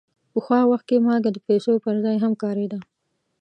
پخوا وخت کې مالګه د پیسو پر ځای هم کارېده.